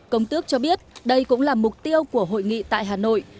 công tước cho biết đây cũng là mục tiêu của hội nghị tại hà nội